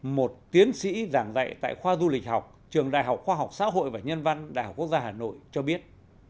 một tiến sĩ giảng dạy tại khoa du lịch học trường đại học khoa học xã hội và nhân văn đại học quốc gia hà nội cho biết